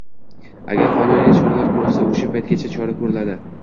Agar qonuniy choralar ko'rilsa, o'sha paytgacha chora ko'riladi